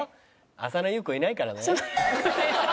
浅野ゆう子いないからね。